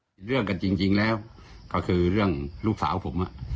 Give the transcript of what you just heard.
มีเรื่องกันจริงแล้วก็คือเรื่องลูกสาวผม